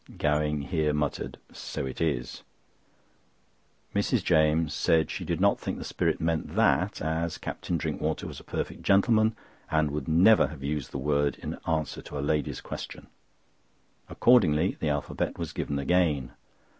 Gowing here muttered: "So it is." Mrs. James said she did not think the spirit meant that, as Captain Drinkwater was a perfect gentleman, and would never have used the word in answer to a lady's question. Accordingly the alphabet was given again.